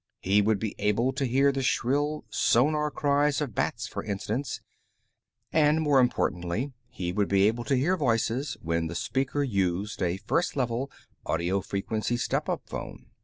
He would be able to hear the shrill sonar cries of bats, for instance, and, more important, he would be able to hear voices when the speaker used a First Level audio frequency step up phone.